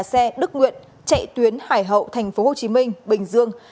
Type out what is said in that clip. xe đức nguyện chạy tuyến hải hậu tp hcm bình dương